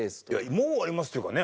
「もう終わります」っていうかね